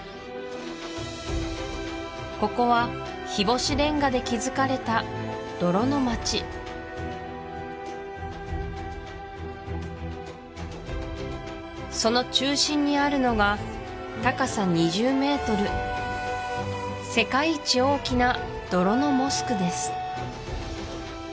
ここは日干しレンガで築かれた泥の街その中心にあるのが高さ２０ｍ世界一大きな泥のモスクです